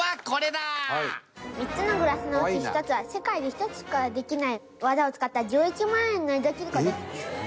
３つのグラスのうち１つは世界で１つしかできない技を使った１１万円の江戸切子です。